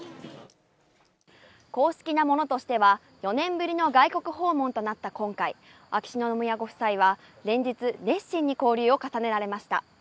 公式なものとしては４年ぶりの外国訪問となった今回、秋篠宮ご夫妻は連日、熱心に交流を重ねられました。